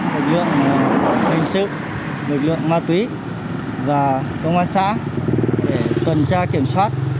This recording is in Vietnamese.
lực lượng hình sự lực lượng ma túy và công an xã để kiểm soát